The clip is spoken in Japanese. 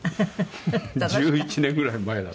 １１年ぐらい前だ。